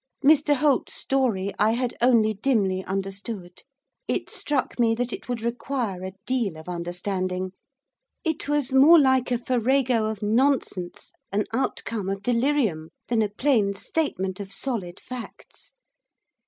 Mr Holt's story I had only dimly understood, it struck me that it would require a deal of understanding. It was more like a farrago of nonsense, an outcome of delirium, than a plain statement of solid facts.